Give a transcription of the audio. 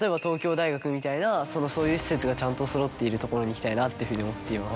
みたいなそういう施設がちゃんとそろっているところに行きたいなっていうふうに思っています。